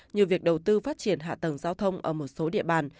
như việc đầu tư phát triển hạ tầng giao thông ở một số địa bàn